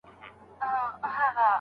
د غوايی خواته ور څېرمه ګام په ګام سو